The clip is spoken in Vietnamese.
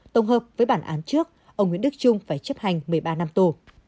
tổng hợp với bản án trước ông nguyễn đức trung phải chấp hành một mươi ba năm tù